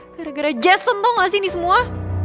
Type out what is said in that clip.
gara gara jason tuh gak sih ini semua